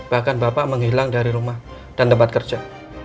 bahkan bapak menghilang dari rumah dan tempat kerja